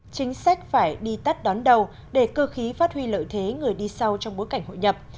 chính sách phải đi tắt đón đầu để cơ khí phát huy lợi thế người đi sau trong bối cảnh hội nhập